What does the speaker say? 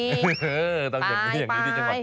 เออต้องอย่างนี้ที่จังหวัด